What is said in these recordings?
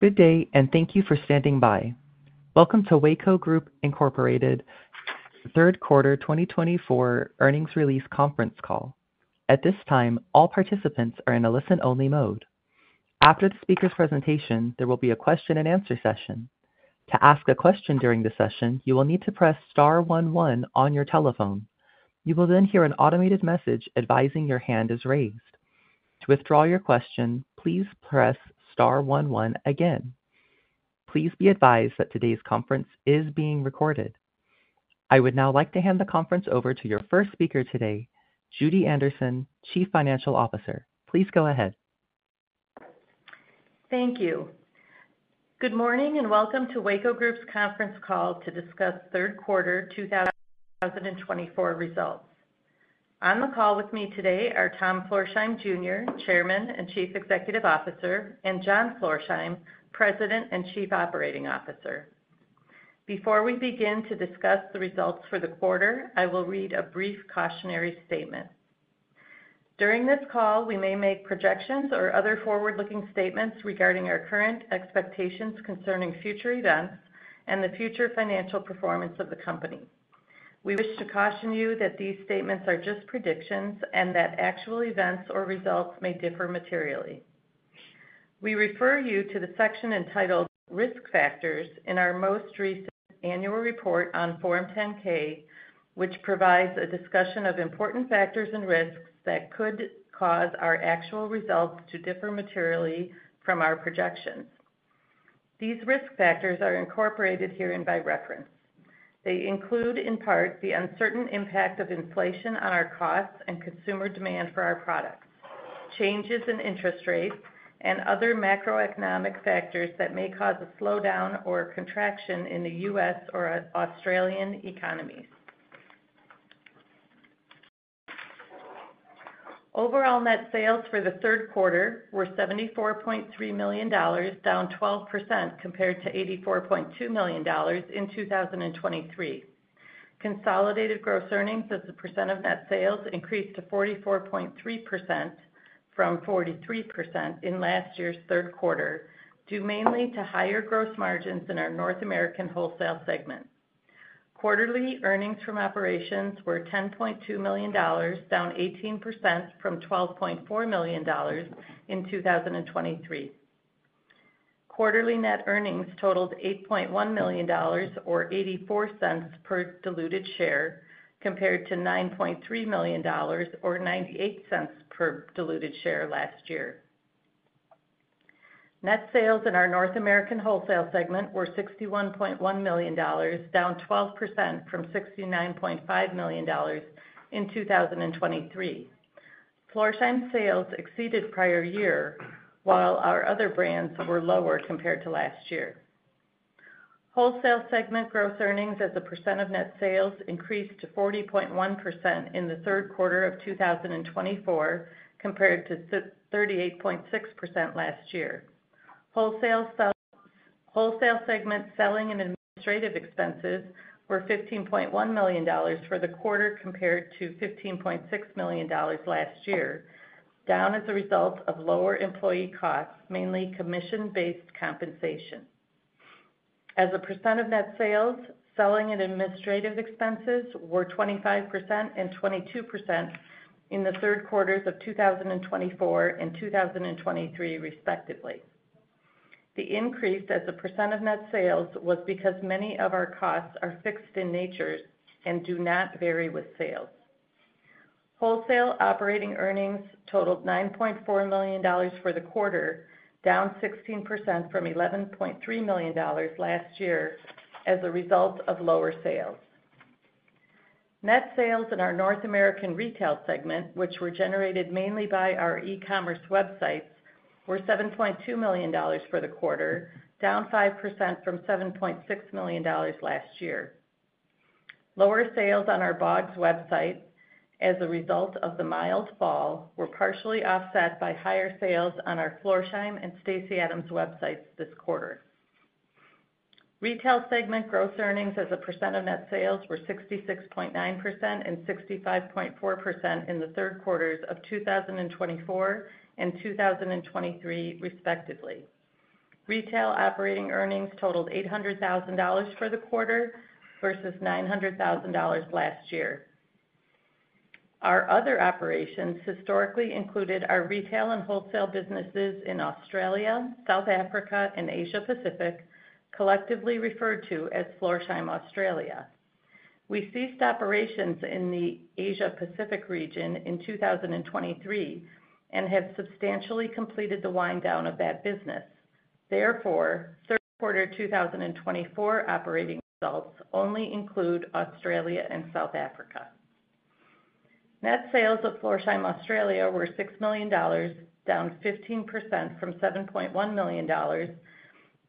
Good day and thank you for standing by. Welcome to Weyco Group Incorporated's third quarter 2024 earnings release conference call. At this time, all participants are in a listen-only mode. After the speaker's presentation, there will be a question-and-answer session. To ask a question during the session, you will need to press star one one on your telephone. You will then hear an automated message advising your hand is raised. To withdraw your question, please press star one one again. Please be advised that today's conference is being recorded. I would now like to hand the conference over to your first speaker today, Judy Anderson, Chief Financial Officer. Please go ahead. Thank you. Good morning and welcome to Weyco Group's conference call to discuss third quarter 2024 results. On the call with me today are Tom Florsheim, Jr., Chairman and Chief Executive Officer, and John Florsheim, President and Chief Operating Officer. Before we begin to discuss the results for the quarter, I will read a brief cautionary statement. During this call, we may make projections or other forward-looking statements regarding our current expectations concerning future events and the future financial performance of the company. We wish to caution you that these statements are just predictions and that actual events or results may differ materially. We refer you to the section entitled Risk Factors in our most recent annual report on Form 10-K, which provides a discussion of important factors and risks that could cause our actual results to differ materially from our projections. These risk factors are incorporated herein by reference. They include, in part, the uncertain impact of inflation on our costs and consumer demand for our products, changes in interest rates, and other macroeconomic factors that may cause a slowdown or contraction in the U.S. or Australian economies. Overall net sales for the third quarter were $74.3 million, down 12% compared to $84.2 million in 2023. Consolidated gross earnings as a percent of net sales increased to 44.3% from 43% in last year's third quarter due mainly to higher gross margins in our North American wholesale segment. Quarterly earnings from operations were $10.2 million, down 18% from $12.4 million in 2023. Quarterly net earnings totaled $8.1 million or $0.84 per diluted share compared to $9.3 million or $0.98 per diluted share last year. Net sales in our North American wholesale segment were $61.1 million, down 12% from $69.5 million in 2023. Florsheim's sales exceeded prior year, while our other brands were lower compared to last year. Wholesale segment gross earnings as a percent of net sales increased to 40.1% in the third quarter of 2024 compared to 38.6% last year. Wholesale segment selling and administrative expenses were $15.1 million for the quarter compared to $15.6 million last year, down as a result of lower employee costs, mainly commission-based compensation. As a percent of net sales, selling and administrative expenses were 25% and 22% in the third quarters of 2024 and 2023, respectively. The increase as a percent of net sales was because many of our costs are fixed in nature and do not vary with sales. Wholesale operating earnings totaled $9.4 million for the quarter, down 16% from $11.3 million last year as a result of lower sales. Net sales in our North American retail segment, which were generated mainly by our e-commerce websites, were $7.2 million for the quarter, down 5% from $7.6 million last year. Lower sales on our Bogs website, as a result of the mild fall, were partially offset by higher sales on our Florsheim and Stacy Adams websites this quarter. Retail segment gross earnings as a percent of net sales were 66.9% and 65.4% in the third quarters of 2024 and 2023, respectively. Retail operating earnings totaled $800,000 for the quarter versus $900,000 last year. Our other operations historically included our retail and wholesale businesses in Australia, South Africa, and Asia-Pacific, collectively referred to as Florsheim Australia. We ceased operations in the Asia-Pacific region in 2023 and have substantially completed the wind-down of that business. Therefore, third quarter 2024 operating results only include Australia and South Africa. Net sales of Florsheim Australia were $6 million, down 15% from $7.1 million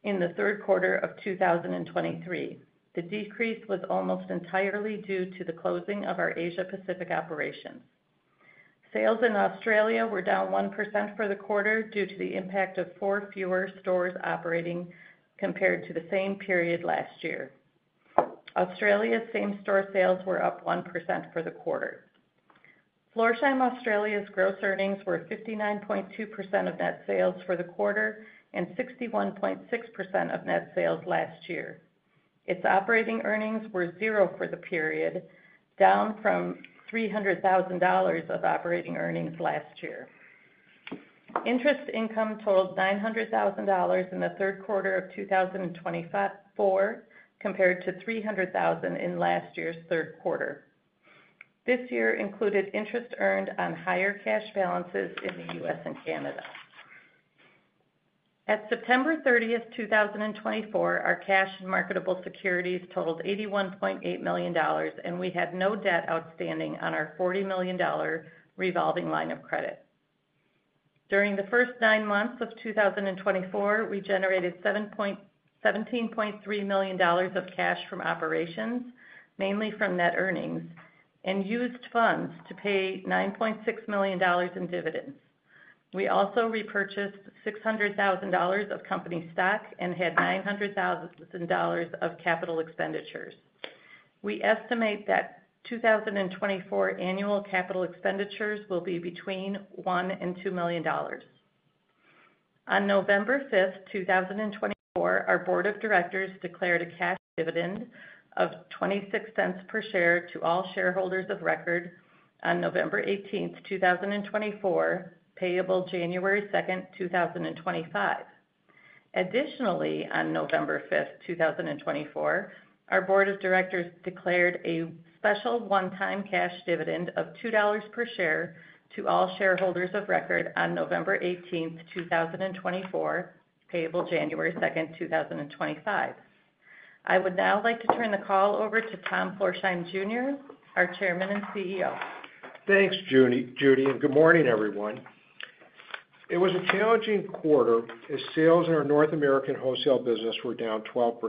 in the third quarter of 2023. The decrease was almost entirely due to the closing of our Asia-Pacific operations. Sales in Australia were down 1% for the quarter due to the impact of four fewer stores operating compared to the same period last year. Australia's same-store sales were up 1% for the quarter. Florsheim Australia's gross earnings were 59.2% of net sales for the quarter and 61.6% of net sales last year. Its operating earnings were zero for the period, down from $300,000 of operating earnings last year. Interest income totaled $900,000 in the third quarter of 2024 compared to $300,000 in last year's third quarter. This year included interest earned on higher cash balances in the U.S. and Canada. At September 30th, 2024, our cash and marketable securities totaled $81.8 million, and we had no debt outstanding on our $40 million revolving line of credit. During the first nine months of 2024, we generated $17.3 million of cash from operations, mainly from net earnings, and used funds to pay $9.6 million in dividends. We also repurchased $600,000 of company stock and had $900,000 of capital expenditures. We estimate that 2024 annual capital expenditures will be between $1 million and $2 million. On November 5th, 2024, our board of directors declared a cash dividend of $0.26 per share to all shareholders of record on November 18th, 2024, payable January 2nd, 2025. Additionally, on November 5th, 2024, our board of directors declared a special one-time cash dividend of $2 per share to all shareholders of record on November 18th, 2024, payable January 2nd, 2025. I would now like to turn the call over to Tom Florsheim, Jr., our Chairman and CEO. Thanks, Judy. And good morning, everyone. It was a challenging quarter as sales in our North American wholesale business were down 12%.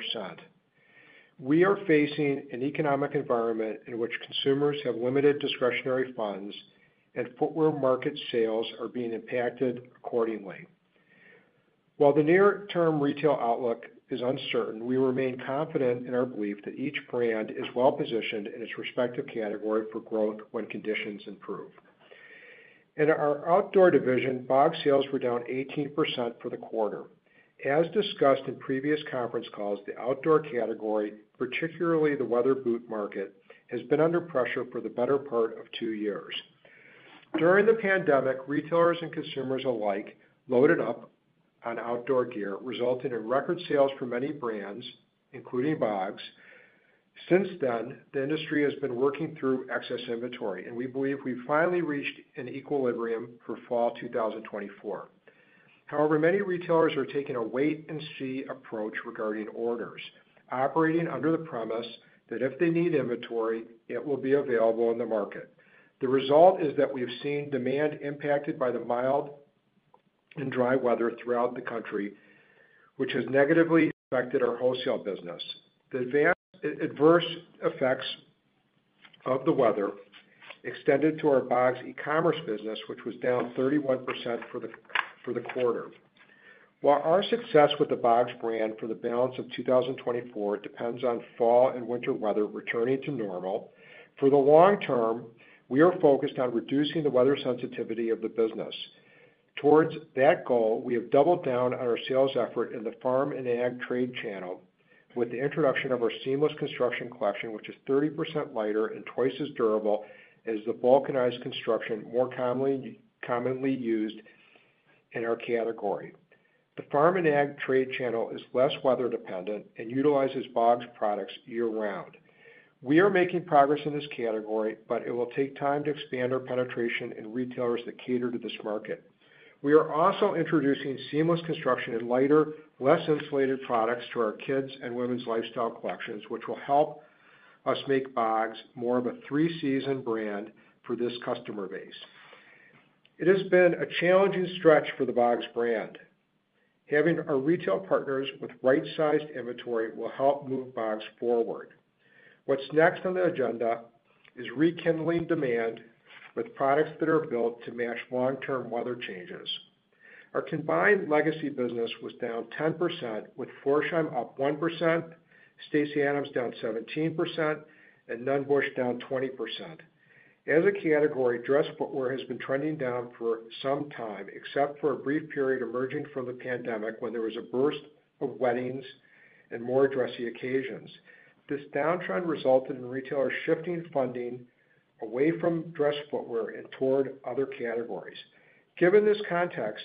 We are facing an economic environment in which consumers have limited discretionary funds, and footwear market sales are being impacted accordingly. While the near-term retail outlook is uncertain, we remain confident in our belief that each brand is well-positioned in its respective category for growth when conditions improve. In our outdoor division, Bogs sales were down 18% for the quarter. As discussed in previous conference calls, the outdoor category, particularly the weather boot market, has been under pressure for the better part of two years. During the pandemic, retailers and consumers alike loaded up on outdoor gear, resulting in record sales for many brands, including Bogs. Since then, the industry has been working through excess inventory, and we believe we've finally reached an equilibrium for fall 2024. However, many retailers are taking a wait-and-see approach regarding orders, operating under the premise that if they need inventory, it will be available in the market. The result is that we've seen demand impacted by the mild and dry weather throughout the country, which has negatively affected our wholesale business. The adverse effects of the weather extended to our Bogs e-commerce business, which was down 31% for the quarter. While our success with the Bogs brand for the balance of 2024 depends on fall and winter weather returning to normal, for the long term, we are focused on reducing the weather sensitivity of the business. Towards that goal, we have doubled down on our sales effort in the farm and ag trade channel with the introduction of our seamless construction collection, which is 30% lighter and twice as durable as the vulcanized construction more commonly used in our category. The farm and ag trade channel is less weather-dependent and utilizes Bogs products year-round. We are making progress in this category, but it will take time to expand our penetration in retailers that cater to this market. We are also introducing seamless construction and lighter, less insulated products to our kids' and women's lifestyle collections, which will help us make Bogs more of a three-season brand for this customer base. It has been a challenging stretch for the Bogs brand. Having our retail partners with right-sized inventory will help move Bogs forward. What's next on the agenda is rekindling demand with products that are built to match long-term weather changes. Our combined legacy business was down 10%, with Florsheim up 1%, Stacy Adams down 17%, and Nunn Bush down 20%. As a category, dress footwear has been trending down for some time, except for a brief period emerging from the pandemic when there was a burst of weddings and more dressy occasions. This downtrend resulted in retailers shifting funding away from dress footwear and toward other categories. Given this context,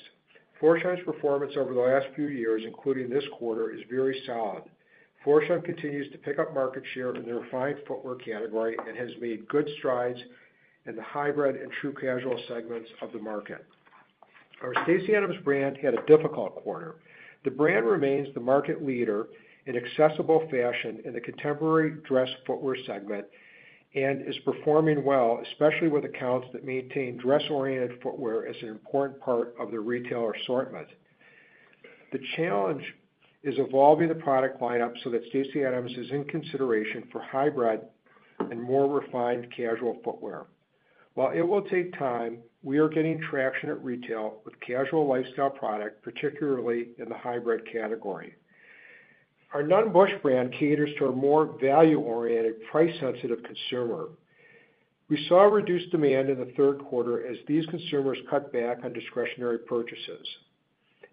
Florsheim's performance over the last few years, including this quarter, is very solid. Florsheim continues to pick up market share in the refined footwear category and has made good strides in the hybrid and true casual segments of the market. Our Stacy Adams brand had a difficult quarter. The brand remains the market leader in accessible fashion in the contemporary dress footwear segment and is performing well, especially with accounts that maintain dress-oriented footwear as an important part of their retail assortment. The challenge is evolving the product lineup so that Stacy Adams is in consideration for hybrid and more refined casual footwear. While it will take time, we are getting traction at retail with casual lifestyle products, particularly in the hybrid category. Our Nunn Bush brand caters to a more value-oriented, price-sensitive consumer. We saw reduced demand in the third quarter as these consumers cut back on discretionary purchases.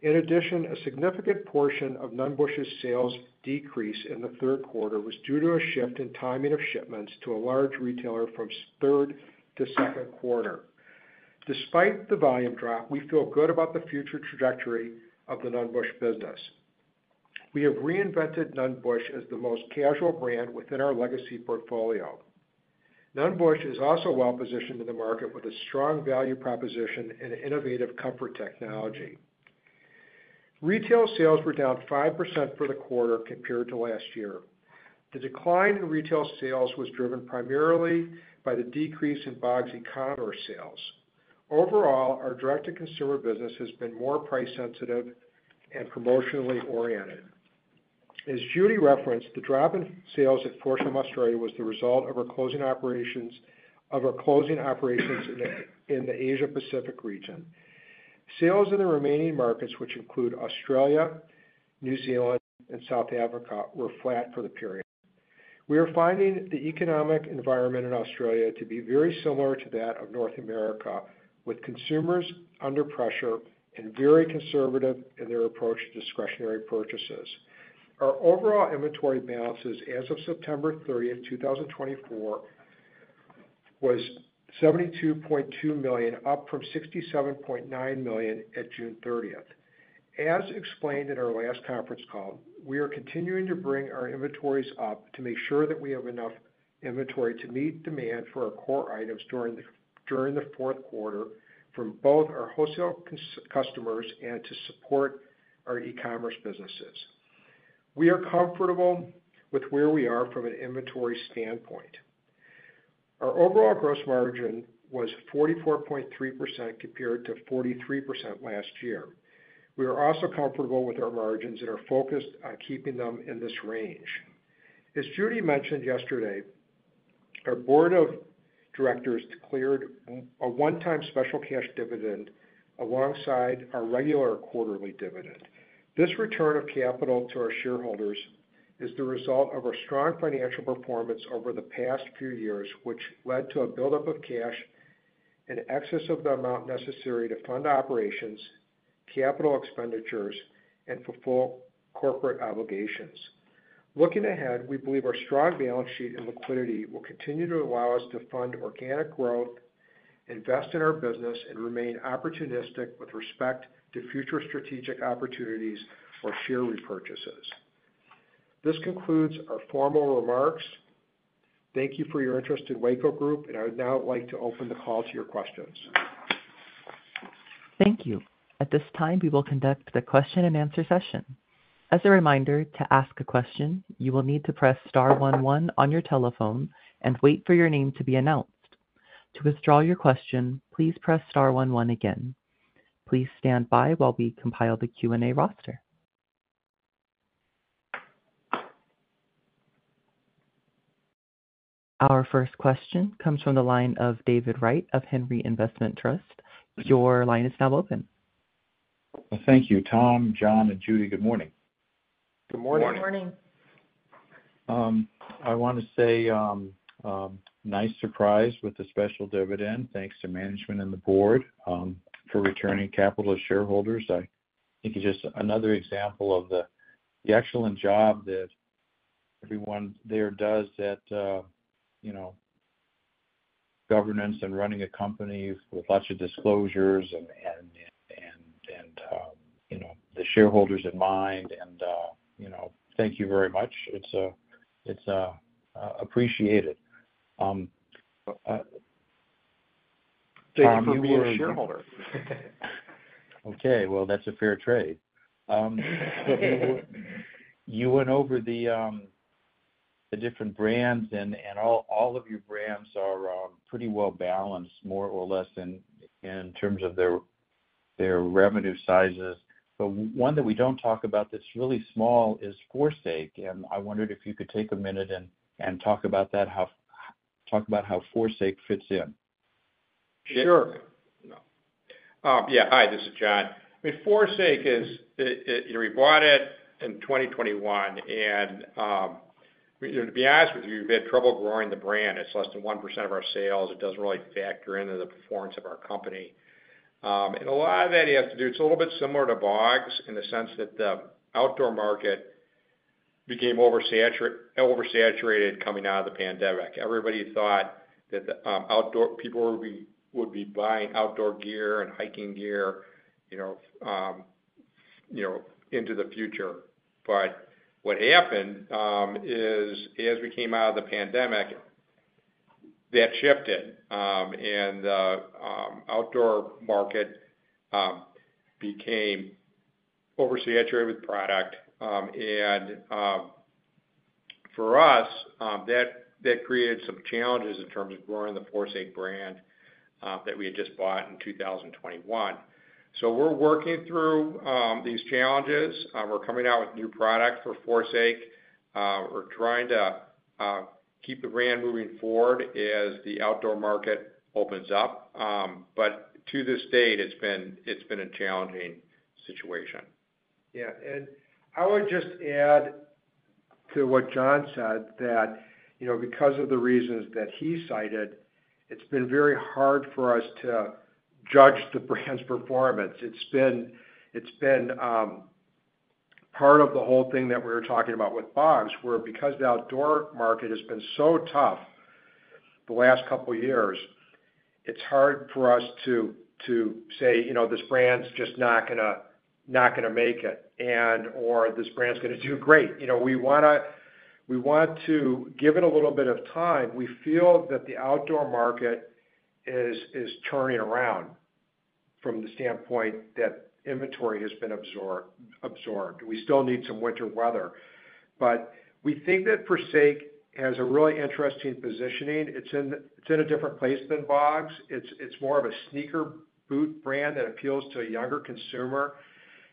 In addition, a significant portion of Nunn Bush's sales decrease in the third quarter was due to a shift in timing of shipments to a large retailer from third to second quarter. Despite the volume drop, we feel good about the future trajectory of the Nunn Bush business. We have reinvented Nunn Bush as the most casual brand within our legacy portfolio. Nunn Bush is also well-positioned in the market with a strong value proposition and innovative comfort technology. Retail sales were down 5% for the quarter compared to last year. The decline in retail sales was driven primarily by the decrease in Bogs e-commerce sales. Overall, our direct-to-consumer business has been more price-sensitive and promotionally oriented. As Judy referenced, the drop in sales at Florsheim Australia was the result of our closing operations in the Asia-Pacific region. Sales in the remaining markets, which include Australia, New Zealand, and South Africa, were flat for the period. We are finding the economic environment in Australia to be very similar to that of North America, with consumers under pressure and very conservative in their approach to discretionary purchases. Our overall inventory balances as of September 30th, 2024, was $72.2 million, up from $67.9 million at June 30, 2024. As explained in our last conference call, we are continuing to bring our inventories up to make sure that we have enough inventory to meet demand for our core items during the fourth quarter from both our wholesale customers and to support our e-commerce businesses. We are comfortable with where we are from an inventory standpoint. Our overall gross margin was 44.3% compared to 43% last year. We are also comfortable with our margins and are focused on keeping them in this range. As Judy mentioned yesterday, our board of directors declared a one-time special cash dividend alongside our regular quarterly dividend. This return of capital to our shareholders is the result of our strong financial performance over the past few years, which led to a buildup of cash in excess of the amount necessary to fund operations, capital expenditures, and fulfill corporate obligations. Looking ahead, we believe our strong balance sheet and liquidity will continue to allow us to fund organic growth, invest in our business, and remain opportunistic with respect to future strategic opportunities or share repurchases. This concludes our formal remarks. Thank you for your interest in Weyco Group, and I would now like to open the call to your questions. Thank you. At this time, we will conduct the question-and-answer session. As a reminder, to ask a question, you will need to press star one one on your telephone and wait for your name to be announced. To withdraw your question, please press star one one again. Please stand by while we compile the Q&A roster. Our first question comes from the line of David Wright of Henry Investment Trust. Your line is now open. Thank you, Tom, John, and Judy. Good morning. Good morning. Good morning. I want to say nice surprise with the special dividend. Thanks to management and the board for returning capital to shareholders. I think it's just another example of the excellent job that everyone there does at governance and running a company with lots of disclosures and the shareholders in mind and thank you very much. It's appreciated. Tom, you were a shareholder. Okay. That's a fair trade. You went over the different brands, and all of your brands are pretty well-balanced, more or less, in terms of their revenue sizes. But one that we don't talk about that's really small is Forsake, and I wondered if you could take a minute and talk about that, talk about how Forsake fits in. Sure. Yeah. Hi, this is John. I mean, Forsake is we bought it in 2021. To be honest with you, we've had trouble growing the brand. It's less than one% of our sales. It doesn't really factor into the performance of our company. A lot of that has to do it's a little bit similar to Bogs in the sense that the outdoor market became oversaturated coming out of the pandemic. Everybody thought that people would be buying outdoor gear and hiking gear into the future. What happened is, as we came out of the pandemic, that shifted. The outdoor market became oversaturated with product. For us, that created some challenges in terms of growing the Forsake brand that we had just bought in 2021. We're working through these challenges. We're coming out with new products for Forsake. We're trying to keep the brand moving forward as the outdoor market opens up. But to this date, it's been a challenging situation. Yeah. And I would just add to what John said that because of the reasons that he cited, it's been very hard for us to judge the brand's performance. It's been part of the whole thing that we were talking about with Bogs, where because the outdoor market has been so tough the last couple of years, it's hard for us to say, "This brand's just not going to make it," and/or "This brand's going to do great." We want to give it a little bit of time. We feel that the outdoor market is turning around from the standpoint that inventory has been absorbed. We still need some winter weather. But we think that Forsake has a really interesting positioning. It's in a different place than Bogs. It's more of a sneaker boot brand that appeals to a younger consumer.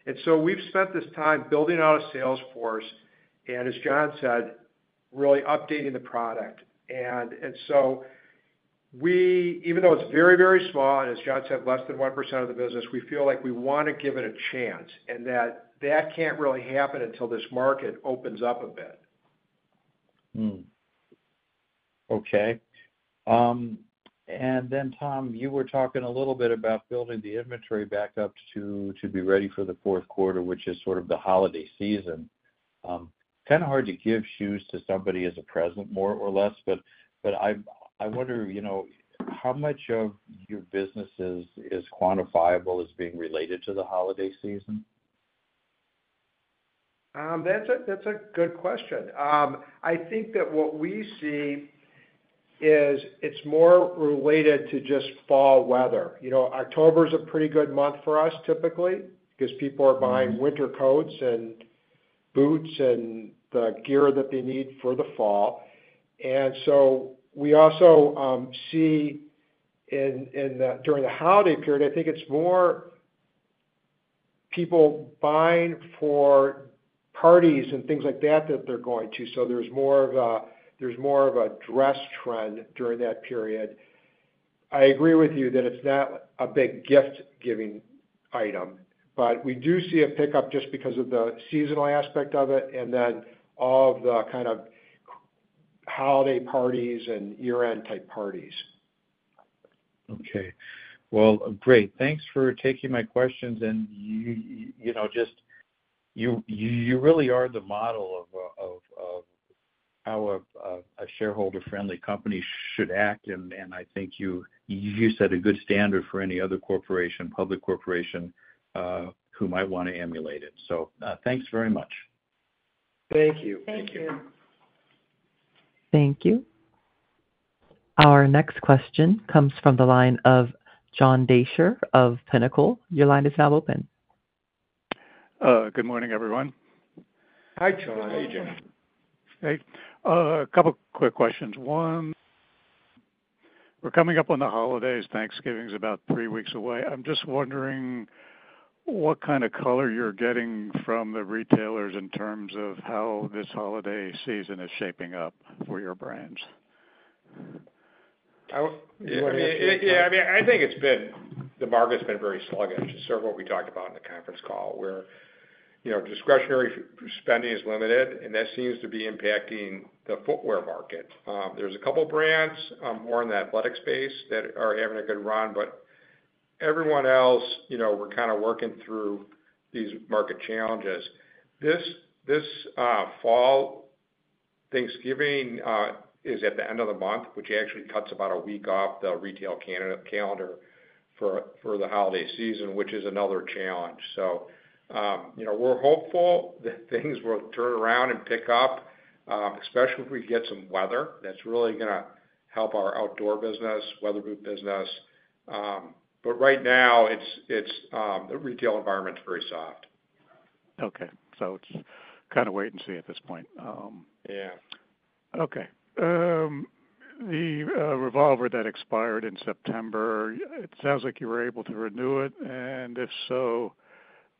And so we've spent this time building out a sales force and, as John said, really updating the product. And so we, even though it's very, very small, and as John said, less than 1% of the business, we feel like we want to give it a chance and that that can't really happen until this market opens up a bit. Okay. And then, Tom, you were talking a little bit about building the inventory back up to be ready for the fourth quarter, which is sort of the holiday season. Kind of hard to give shoes to somebody as a present, more or less. But I wonder how much of your business is quantifiable as being related to the holiday season? That's a good question. I think that what we see is it's more related to just fall weather. October is a pretty good month for us, typically, because people are buying winter coats and boots and the gear that they need for the fall, and so we also see during the holiday period, I think it's more people buying for parties and things like that that they're going to, so there's more of a dress trend during that period. I agree with you that it's not a big gift-giving item, but we do see a pickup just because of the seasonal aspect of it and then all of the kind of holiday parties and year-end-type parties. Okay, well, great. Thanks for taking my questions, and just you really are the model of how a shareholder-friendly company should act, and I think you set a good standard for any other corporation, public corporation, who might want to emulate it, so thanks very much. Thank you. Thank you. Thank you. Our next question comes from the line of John Deysher of Pinnacle. Your line is now open. Good morning, everyone. Hi, John. Hey, John. Hey. A couple of quick questions. One, we're coming up on the holidays. Thanksgiving's about three weeks away. I'm just wondering what kind of color you're getting from the retailers in terms of how this holiday season is shaping up for your brands? Yeah. I mean, I think the market's been very sluggish, sort of what we talked about in the conference call, where discretionary spending is limited, and that seems to be impacting the footwear market. There's a couple of brands, more in the athletic space, that are having a good run, but everyone else, we're kind of working through these market challenges. This fall, Thanksgiving is at the end of the month, which actually cuts about a week off the retail calendar for the holiday season, which is another challenge. So we're hopeful that things will turn around and pick up, especially if we get some weather that's really going to help our outdoor business, weather boot business. But right now, the retail environment's very soft. Okay, so it's kind of wait and see at this point. Yeah. Okay. The revolver that expired in September, it sounds like you were able to renew it. And if so,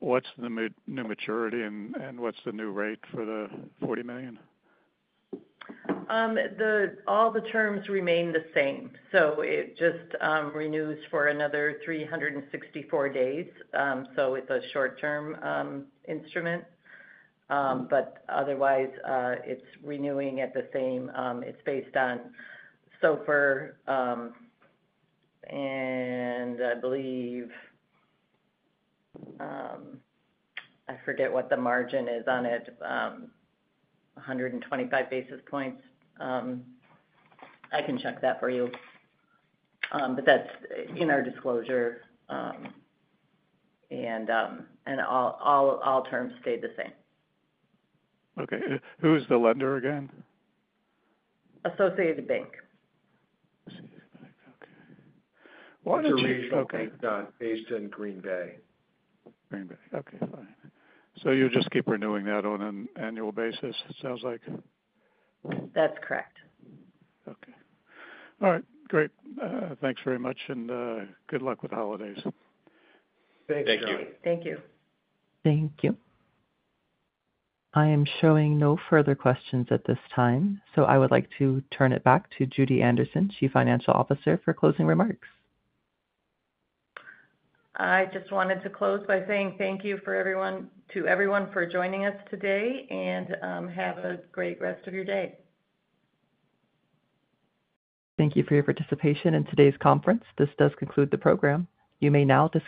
what's the new maturity and what's the new rate for the $40 million? All the terms remain the same. So it just renews for another 364 days. So it's a short-term instrument. But otherwise, it's renewing at the same. It's based on SOFR. And I believe I forget what the margin is on it, 125 basis points. I can check that for you. But that's in our disclosure. And all terms stay the same. Okay. Who is the lender again? Associated Bank. Associated Bank. Okay. What is your? It's a regional bank, John, based in Green Bay. Green Bay. Okay. Fine. So you'll just keep renewing that on an annual basis, it sounds like? That's correct. Okay. All right. Great. Thanks very much, and good luck with the holidays. Thank you. Thank you. Thank you. I am showing no further questions at this time. So I would like to turn it back to Judy Anderson, Chief Financial Officer, for closing remarks. I just wanted to close by saying thank you to everyone for joining us today and have a great rest of your day. Thank you for your participation in today's conference. This does conclude the program. You may now disconnect.